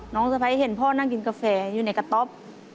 สะพ้ายเห็นพ่อนั่งกินกาแฟอยู่ในกระต๊อบ